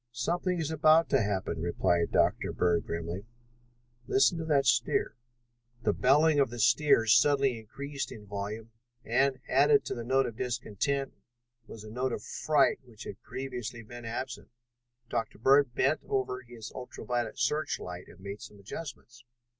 "Something is about to happen," replied Dr. Bird grimly. "Listen to that steer." The bellowing of the steer had suddenly increased in volume and, added to the note of discontent, was a note of fright which had previously been absent. Dr. Bird bent over his ultra violet search light and made some adjustments.